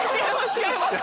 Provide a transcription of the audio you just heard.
違います